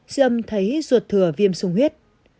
dư âm thấy ruột thừa viêm sung huyết